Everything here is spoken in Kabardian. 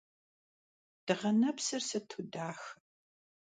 Dığenepsır sıtu daxe!